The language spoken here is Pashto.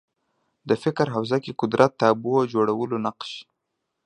د فکر حوزه کې قدرت تابو جوړولو نقش